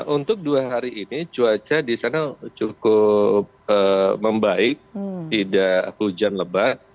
untuk dua hari ini cuaca di sana cukup membaik tidak hujan lebat